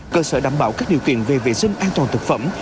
cơ sở đảm bảo các điều kiện về vệ sinh an toàn thực phẩm